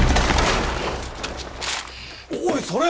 おいそれ！